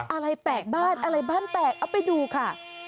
อะไรแตกบ้านอะไรบ้านแตกเอาไปดูค่ะ